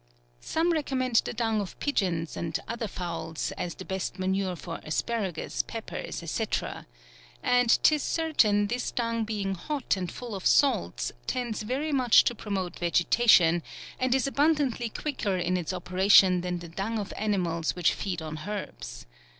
Some recommend the dung of pigeons and FEBRUARY. 25 •other fowls, as (he best manure for aspara gus, peppers, &c. and His certain, this dun^ being hot and full of salts, tends very much to promote vegetation, and is abundantly quicker in its operation than the dung of animals which feed on herbs.